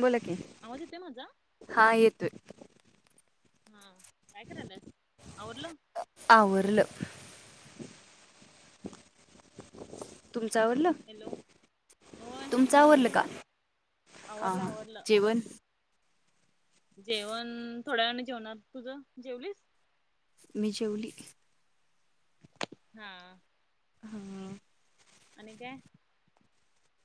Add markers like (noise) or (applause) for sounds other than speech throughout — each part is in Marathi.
बोला की! आवाज येतोय माझा? हा येतोय. हा काय करायललियास आवरल? आवरल. तुमचं आवरलं? हॅलो होय तुमचं झालं आवरलं बघ का हा आवरलं हा आवरलं. जेवण? जेवण थोड्या वेळान जेवणार. तुझं जेवलीस? मी जेवली. हा! हम्म! आणि काय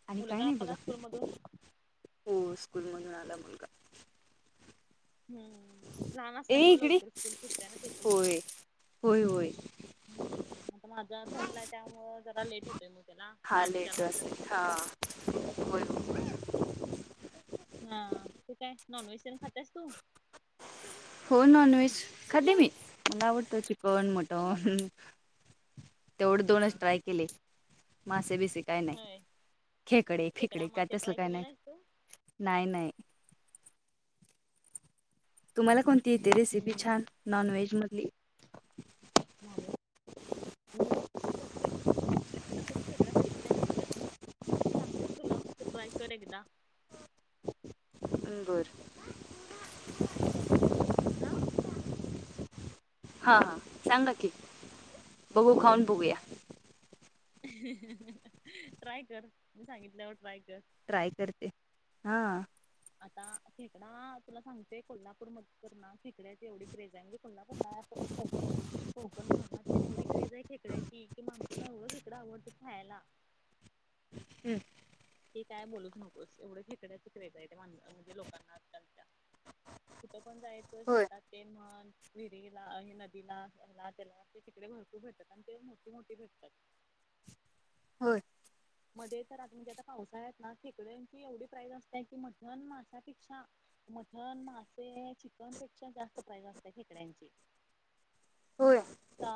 आणि काय मुलगा नाही बघा आला स्कूल मधून? हो स्कूल मधून आला मुलगा. हम्म, लहान ए असल्यामुळे इकडे लवकर स्कूल सुटते ना तेजी. होय होय होय! हम्म आता माझा थर्ड ला आहे त्यामुळं जरा लेट होतोय मग त्याला. हा साडेचार लेट वाजतात. होतोय हां होय हम्म होय. हा ते काय नॉनव्हेज तेन खातियास तू? हो नॉन व्हेज खाते मी. मला आवडतं चिकन मटन. तेवढे हा दोनच ट्राय केलय मासे बिसे काय नाही होय खेकडे फेकडे खेकडा काय मासे तसलं ट्राय काय केले नाही नाहीस तू? नाही नाही. तुम्हाला कोणती येते रेसिपी हम्म छान नॉन व्हेज मधली? नॉनव्हेज मधली खेकडा खालो नाही म्हणतेस ना मी सांगते तुला तू ट्राय कर एकदा. बर! आ! हा हा सांगाकी बघू खाऊन बघूया. हा. ट्राय कर मी सांगितल्यावर ट्राय कर. ट्राय करते हा. आता खेकडा तुला सांगते कोल्हापूर मध्ये तर ना खेकड्याची एवढी क्रेज आहे म्हणजे कोल्हापूरला कोकण कोकण भागात तेन एवढी क्रेज आहे खेकड्याची की माणसाना एवढं खेकडं आवडत्यात खायाला. हम्म! की काय बोलूच नकोस एवढं खेकड्याच क्रेज आहे त्या माणसा ते म्हणजे लोकांना आजकालच्या. कुठं पण जायचं होय शेतात ते म्हण. विहिरीला हे नदीला हेला त्याला ते तिकडे भरपूर भेटतात आणि ते मोठी मोठी भेटतात. होय! मध्ये तर आता म्हणजे आता पावसाळ्यात ना खेकड्यांची एवढी प्राईज असतेय की मटन माशापेक्षा मटण, मासे, चिकनपेक्षा जास्त प्राईज असतेया खेकड्यांची. (inaudible)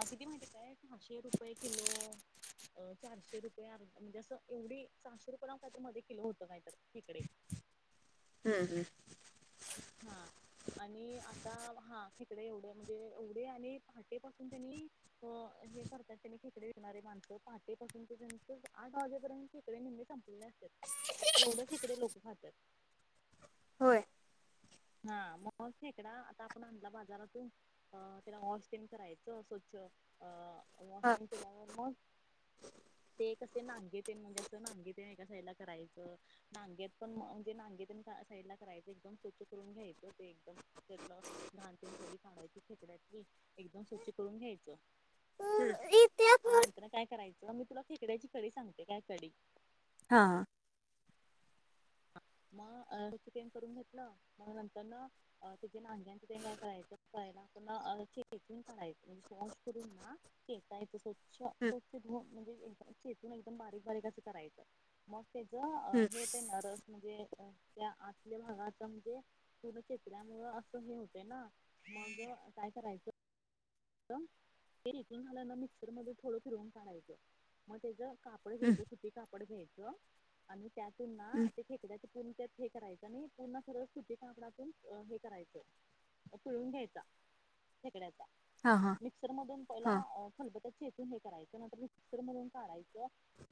किती माहिती काय? पाचशे रुपये किलो, चारशे रुपये अर्धा म्हणजे असं एवढी सहाशे रुपये ना का मध्ये किलो होतं काहीतरी खेकडे हं हं हां आणि आता हा खेकड्या एवढ्या म्हणजे एवढे आणि पहाटेपासून त्यांनी हे करतात त्यांने खेकडे घेणारे माणसं पहाटेपासून ते त्यांचे आठ वाजेपर्यंत खेकडे निम्म संपतात. एवढंच खेकडे लोक खातात. होय हा मग खेकडा आता आपण आणला बाजारातून अ त्याला वॉश तेन करायचं स्वच्छ अ हा मचे लागणार मग ते कसे नागे ते म्हणजे असं नागेेत एका साईडला करायचं. नाग्यात पण म्हणजे नागेत साईड ला करायचं एकदम स्वच्छ करून घ्यायचं ते एकदम त्यातलं घाणबीण सगळी काढायची खेकड्यातली एकदम स्वच्छ करून घ्यायचं. ह रत्या ह नंतर काय करायचं मी तुला खेकड्याची कडी सांगते काय कडी हा मग अचिकेन करून घेतलं मग नंतर ना. अ ति नाग्यां तिथ काय करायचं करायला आपण चेकून करायचं म्हणजे शस करून ना शेतायचं स्वच्छ हम्म स्वच्छ धु म्हणजे एक चेतून एकदम बारीक बारीकचं करायचं. मग त्याच हे ते न रस म्हणजे त्या आतल्या भागाच म्हणजे पुर्ण चेचल्यामुळ असं हे होतंय ना मग काय करायचं. ते रिकून झाल्यान मिक्सर मध्ये थोडं फिरवून काढायचं मग त्याच काप पड हम्म घ्यायचं सुती कापड घ्यायचं आणि त्यातून ना हम्म ते खेकड्या (unintelligible) तत हे करायचं आणि पुण सरळ सुती कापडातून हे करायचं. पिळून घ्यायचा खेकड्याचा हा हा मिक्सर मधून पहिला हा खलबत्या चेचून हे करायचं नंतर मिक्सर मधून काढायचं.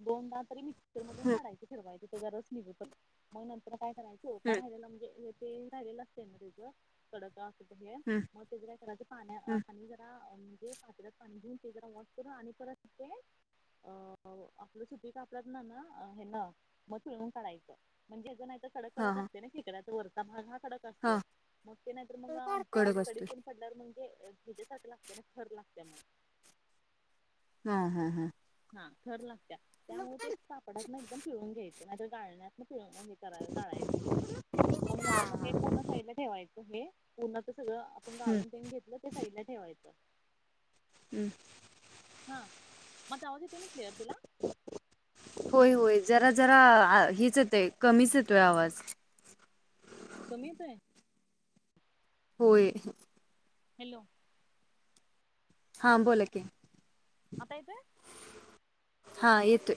दोनदा तरी मिक्सर मधून हम्म काढायचे ठेरवायचे त्याच्या रस निघु पर्यंत मग नंतर काय करायच. चोथा राहिलेला म्हणजे ते राहिलेला असते मधेच कडक अस हे हं करायचं पाण्या पा म्हणजेत पाणी घेऊन ते जरा वॉश करून आणि परत ते अ आपली सुती कापडा तन ना हे ना. म पुळून काढायचं म्हणजे अज कडक हा कडक हा असतय ना खेकड्याचा वरचा भाग हा कडक असतो हा मग ते नाहीतर मग कडक आमच्याकडी असतोय (unintelligible) ल्या म्हणजे साठी लागते ना खर लागते मग हा हा हा हा खर लागत त्यामुळे ते सापडात ना एकदम पिळून घ्यायचं नाहीतर गाळण्यात. मग हे करायढायच मग नंतर ना हे पूर्ण साईडला ठेवायचं हे. पूर्ण तर सगळं आपण हम्म गाळून पन घेतलं ते साईड ला ठेवायचं. हम्म हा मग आवाज येत ना क्लर तुला होय होय जरा जरा हेच येतय कमीच येतोय आवाज. कमीच आहे होय हॅलो हां बोला कि आता येतोय? हा येतोय.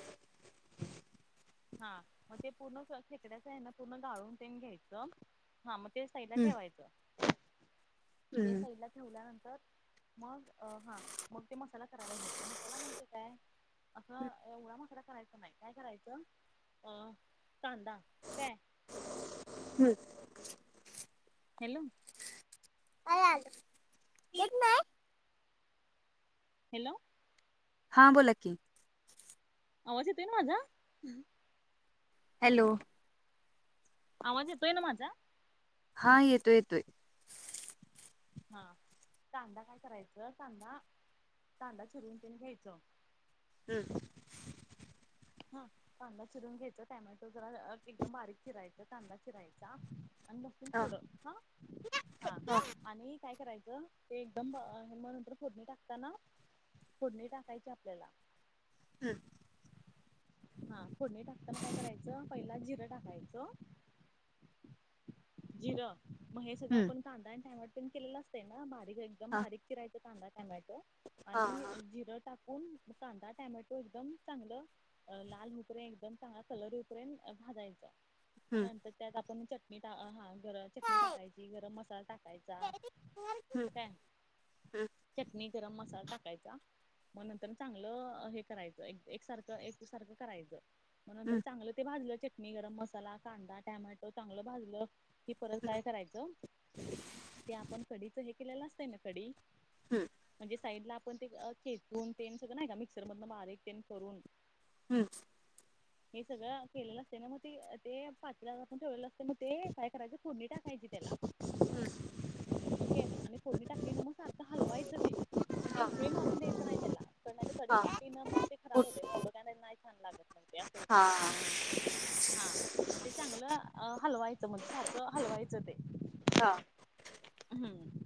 हा मग ते पूर्ण खेकड्याच आहे ना पूर्ण गडाळून ते घ्यायचं. हा मग ते साईला हम्म ठेवायचं ते हम्म साईड ला ठेवल्यानंतर मग हा मग ते मसाला करायला घेतेत मसाला म्हणजे काय असंवडा मासरा करायचा नाही काय करायचं अ कांदा काय हम् हॅलो अला येत ना हॅलो हा बोला की आवाज येतोय माझा हॅलो आवाज येतोय ना माझा हा येतोय येतोय हां कांदा काय करायचं कांदा कांदा चिरवून पण घ्यायचं हम्म हा कांदा चिरून घ्यायचा टॅमॅटो जरा एकदम बारीक चिरायच कांदा चिरायचा आणि मस्त हा थोडं हा हा आणि काय करायचं ते एकदम हे मग नंतर फोडणी टाकताना फोडणी टाकायची आपल्याला हम् हा फोडणी टाकताना काय करायचं पहिला जिरं टाकायचं जिरं मग हे सगळं हम्म आपण कांदा आणि टायमवर पण केलेलं असत ना बारीक एकदम हा बारीक किरायची कांदा टॅमॅटो हा आणि जिरं टाकून कांदा टॅमॅटो एकदम चांगलं अ लाल उपरे एकदम चांगला कलर उपर्यंत भाजायचा हम्म. मगंतर त्यात आपण चट टा हा गरम चटणी टाकायची गरम मसाला टाकायचा हम्म, हम्म, काय चटणी गरम मसाला टाकायचा मग नंतर चांगलं हे करायचं एक एकसारखं एक द सारखं करायचं मग नंतर हम्म, चांगलं ते भाजलं चटणी गरम मसाला कांदा टॅमॅटो चांगलं भाजलं कि परत काय करायचं ते आपण कडीच हे केलेलं असतंय ना कडी हम्म, म्हणजे साईडला आपण ते खेचून तेन सगळं नाही का मिक्सर मधन बारीक तेन करून हम् हे सगळं केलेलं असते ना मग ते ते पाचवी हजार प ठेवढलेलं असते मग ते काय करायचं कोणी टाकायची त्याला ओके आणि फोडणी टाकली ना मग सारखं हलवायचं ते पण ते हा, उकळी मारून द्यायचं नाही त्याला नाही कडी हा, सुट्टली ना मग ते खराब पुढ- होते ना एवडं का नाही छान लागत मग ते असं होत हा, हा मग ते चांगलं हलवा येतं म सारखं हलवायचं ते हा. हम्म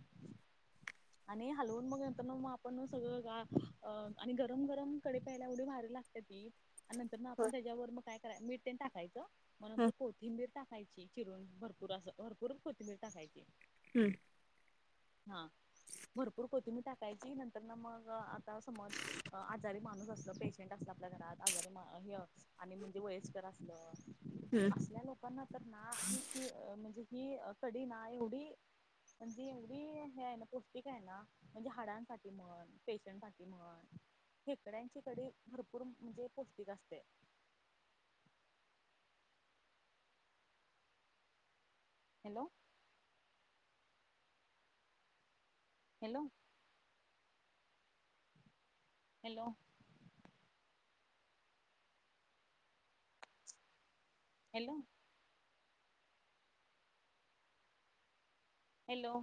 आणि हलवून मग नंतर मग आपण सगळं गा आणि गरम गरम कडे प्यायला उढे भार लाग ती आणि नंतर मग आपण त्याच्यावर मग काय कराय मीठ ते टाकायचं मग नंतर हम्म, कोथिंबीर टाकायची चिरून भरपूर अस भरपूर कोथिंबीर टाकायची हम्म हां भरपूर कोथंबी टाकायची नंतर ना मग आता समज आजारी माणूस असत पे अस आपल्या घरात आजारी आणि म्हणजे वयस्कर असलं हम्म असल्या लोकांना तर ना ही म्हणजे ही कडी ना एवढी हज ी ह ना पो ठीक आहे ना म्हणजे हाडांसाठी म्हण पेशंसाठी म्हण खेकड्यांची कडी भरपूर म्हणजे पौष्टिक असते hello hello hello hello hello